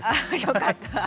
よかった。